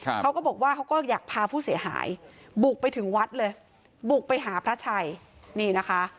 เขาก็บอกว่าเขาก็อยากพาผู้เสียหายบุกไปถึงวัดเลยบุกไปหาพระชัยนี่นะคะ